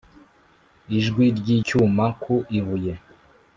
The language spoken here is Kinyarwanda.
ijwi ry'icyuma ku ibuye,